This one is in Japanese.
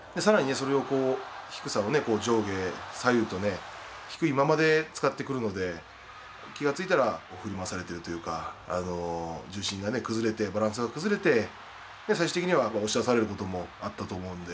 それを低さを上下左右とね低いままで使ってくるので気が付いたら振り回されてるというか重心がね崩れてバランスが崩れて最終的には押し出されることもあったと思うんで。